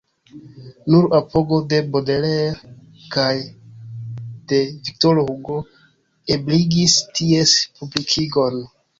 Nur apogo de Baudelaire kaj de Viktoro Hugo ebligis ties publikigon.